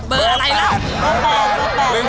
เบอร์อะไรล่ะ